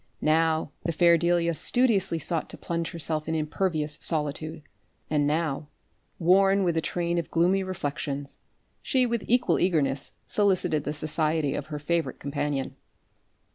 Now the fair Delia studiously sought to plunge herself in impervious solitude; and now, worn with a train of gloomy reflections, she with equal eagerness solicited the society of her favourite companion.